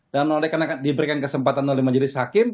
dan karena diberikan kesempatan oleh majelis hakim